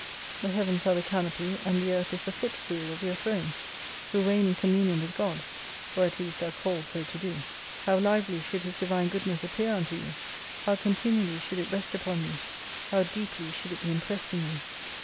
The heavens are the canopy, and the earth is the footstool of your throne : who reign in communion with God : or at least are called so to do. How lively should His divine goodness appear unto you ; how con tinually should it rest upon you ; how deeply should it be impressed in you